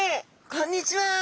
こんにちは！